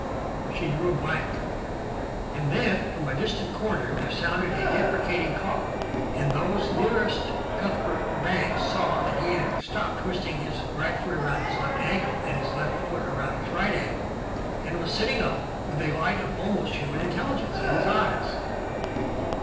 She drew blank. And then, from a distant corner, there sounded a deprecating, cough, and those nearest Cuthbert Banks saw that he had stopped twisting his right foot round his left ankle and his left foot round his right ankle and was sitting up with a light of almost human intelligence in his eyes.